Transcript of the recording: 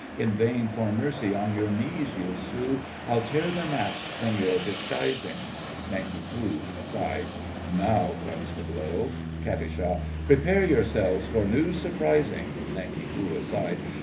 In vain for mercy on your knees you'll sue. I'll tear the mask from your disguising! NANK. (aside). Now comes the blow! KAT. Prepare yourselves for news surprising! NANK. (aside).